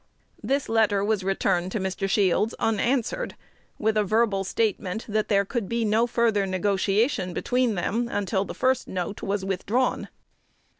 This letter was returned to Mr. Shields unanswered, with a verbal statement "that there could be no further negotiation between them until the first note was withdrawn."